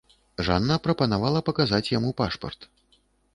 Жанна прапанавала паказаць яму пашпарт.